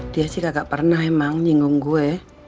dia sih kagak pernah emang nyinggung gue